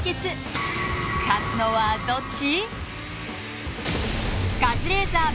勝つのはどっち！？